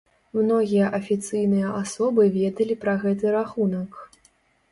Многія афіцыйныя асобы ведалі пра гэты рахунак.